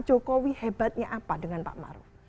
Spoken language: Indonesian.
jokowi hebatnya apa dengan pak maruf